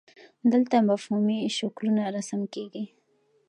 دلته مفهومي شکلونه رسم کیږي.